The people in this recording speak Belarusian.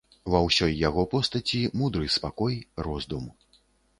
Ва ўсёй яго постаці мудры спакой, роздум.